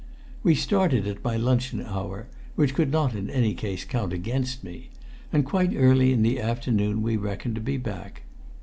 We started at my luncheon hour, which could not in any case count against me, and quite early in the afternoon we reckoned to be back.